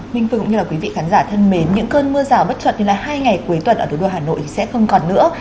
minh phương cũng như là quý vị khán giả thân mến những cơn mưa rào bất chợt thì là hai ngày cuối tuần ở thủ đô hà nội sẽ không còn nữa